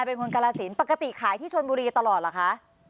เป็นคนกาลสินปกติขายที่ชนบุรีตลอดเหรอคะ